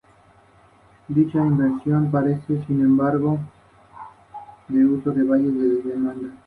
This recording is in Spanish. Se distribuyen por la Europa central.